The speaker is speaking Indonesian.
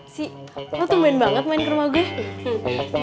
si lo tuh main banget main ke rumah gue